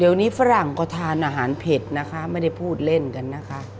เดี๋ยวนี้ฝรั่งก็ทานอาหารเผ็ดนะคะไม่ได้พูดเล่นกันนะคะ